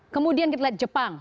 kemudian kita lihat jepang